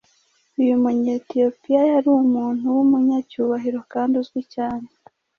Uyu Munyetiyopiya yari umuntu w’umunyacyubahiro kandi uzwi cyane